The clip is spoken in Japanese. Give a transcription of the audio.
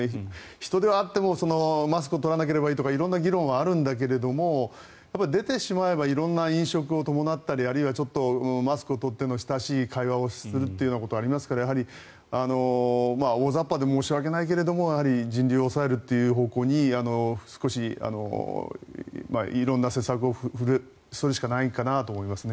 人出はあってもマスクは取らなければいいとか色んな議論があるんだけれど出てしまえば色んな飲食を伴ったりあるいはちょっとマスクを取って親しい会話をするということがありますからやはり大雑把で申し訳ないけれど人流を抑えるという方向に少し色んな施策をするしかないかなと思います。